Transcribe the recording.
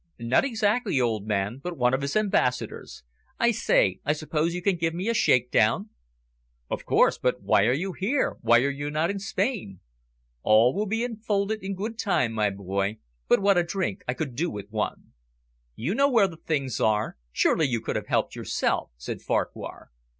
"Not exactly, old man, but one of his ambassadors. I say, I suppose you can give me a shake down." "Of course, but why are you here? Why are you not in Spain?" "All will be unfolded in good time, my boy. But what about a drink? I could do with one." "You know where the things are. Surely you could have helped yourself?" said Farquhar.